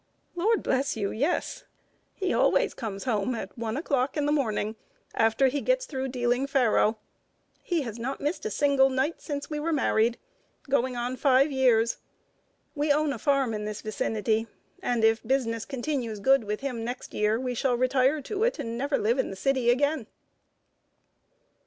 "Lord bless you, yes! He always comes home at one o'clock in the morning, after he gets through dealing faro. He has not missed a single night since we were married going on five years. We own a farm in this vicinity, and if business continues good with him next year we shall retire to it, and never live in the city again."